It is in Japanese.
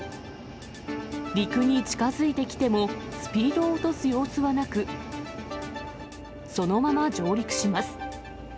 陸に近づいてきても、スピードを落とす様子はなく、そのまま上陸します。